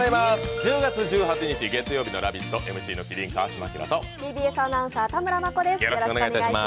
１０月１８日月曜日の「ラヴィット！」、ＭＣの麒麟・川島明とＴＢＳアナウンサー、田村真子です。